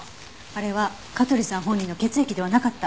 あれは香取さん本人の血液ではなかった。